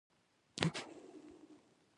پسه کله کله له خلکو تښتي.